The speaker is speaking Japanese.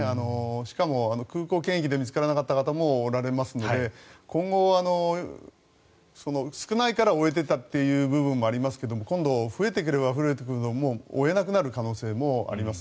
しかも、空港検疫で見つからなかった方もおられますので今後、少ないから追えてたという部分もありますが今度、増えてくれば追えなくなる可能性もあります。